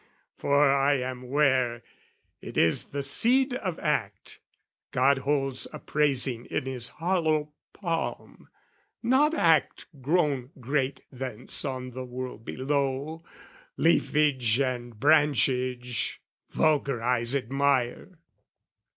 For I am ware it is the seed of act, God holds appraising in His hollow palm, Not act grown great thence on the world below, Leafage and branchage, vulgar eyes admire.